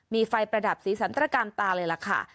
มีไฟประดับสีสันตระกามตาเลยล่ะค่ะ